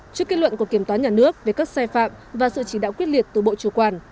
trước kết luận của kiểm toán nhà nước về các sai phạm và sự chỉ đạo quyết liệt từ bộ chủ quản